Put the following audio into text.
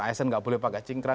asn nggak boleh pakai cingkran